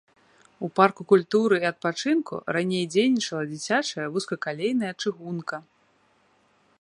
У парку культуры і адпачынку раней дзейнічала дзіцячая вузкакалейная чыгунка.